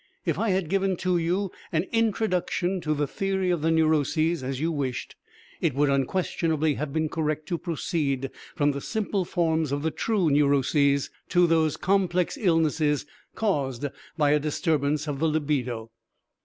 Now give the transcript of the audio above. If I had given to you an Introduction to the Theory of the Neuroses as you wished, it would unquestionably have been correct to proceed from the simple forms of the true neuroses to those complex illnesses caused by a disturbance of the libido.